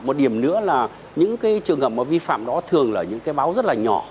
một điểm nữa là những cái trường hợp mà vi phạm đó thường là những cái báo rất là nhỏ